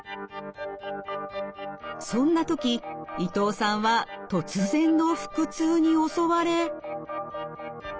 そんな時伊藤さんは突然の腹痛に襲われ。